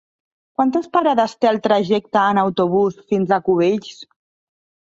Quantes parades té el trajecte en autobús fins a Cubells?